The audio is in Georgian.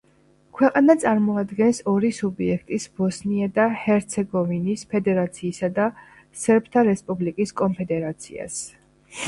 ქვეყანა წარმოადგენს ორი სუბიექტის ბოსნია და ჰერცეგოვინის ფედერაციისა და სერბთა რესპუბლიკის კონფედერაციას.